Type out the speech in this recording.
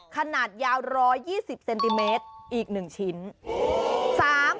ขนาดยาว๑๒๐เซนติเมตรอีก๑ชิ้น